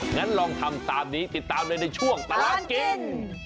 งั้นลองทำตามนี้ติดตามเลยในช่วงตลอดกิน